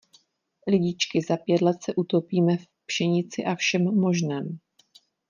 Lidičky, za pět let se utopíme v pšenici a všem možném.